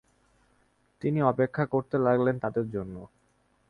তিনি অপেক্ষা করতে লাগলেন তাদের জন্যে।